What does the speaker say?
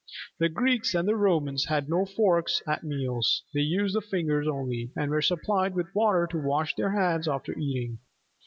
The Greeks and Romans had no forks at meals: they used the fingers only, and were supplied with water to wash their hands after eating.